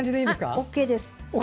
ＯＫです。